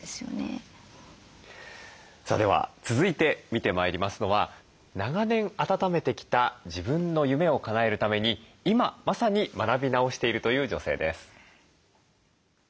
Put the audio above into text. さあでは続いて見てまいりますのは長年あたためてきた自分の夢をかなえるために今まさに学び直しているという女性です。